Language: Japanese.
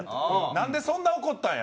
「なんでそんな怒ったんや？」